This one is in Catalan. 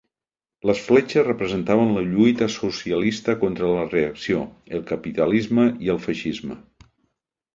Les fletxes representaven la lluita socialista contra la reacció, el capitalisme i el feixisme.